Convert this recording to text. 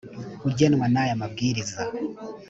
ugenwa n’aya mabwiriza